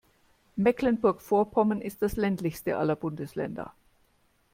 Mecklenburg-Vorpommern ist das ländlichste aller Bundesländer.